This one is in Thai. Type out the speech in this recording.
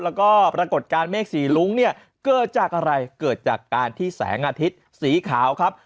แล้วก็ปรากฏการณ์เมฆสีลุ้งเนี่ยเกิดจากอะไรเกิดจากการที่แสงอาทิตย์สีขาวครับ